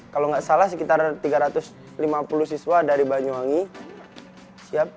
kalau nggak salah sekitar tiga ratus lima puluh siswa dari banyuwangi siap